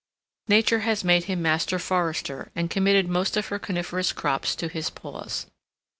Nature has made him master forester and committed most of her coniferous crops to his paws.